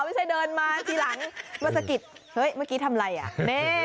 ไม่ใช่เดินมาทีหลังมาสะกิดเฮ้ยเมื่อกี้ทำอะไรอ่ะนี่